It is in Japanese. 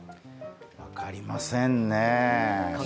分かりませんね。